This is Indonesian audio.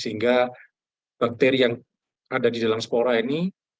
sehingga bakteri yang ada di dalam spora ini